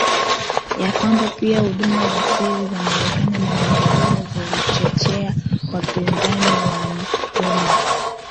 ya kwamba pia huduma za siri za Marekani na Uingereza zilichochea wapinzani wa Nkrumah